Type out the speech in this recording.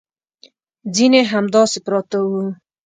ځینې همداسې پراته وو.